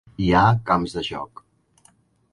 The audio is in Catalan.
Hi ha camps de joc.